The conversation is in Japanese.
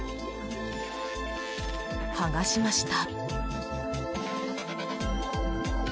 ［剥がしました］